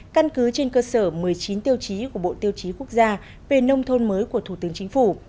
căn cứ trên cơ sở một mươi chín tiêu chí của bộ tiêu chí quốc gia về nông thôn mới của thủ tướng chính phủ